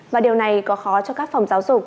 và điều này có khó cho các phòng giáo dục